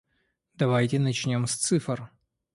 Давайте начнем с цифр.